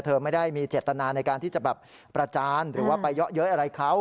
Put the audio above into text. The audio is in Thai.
ไม่ได้มีเจตนาในการที่จะแบบประจานหรือว่าไปเยาะเย้ยอะไรเขา